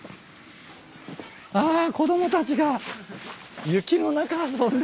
・あ子供たちが雪の中遊んでる。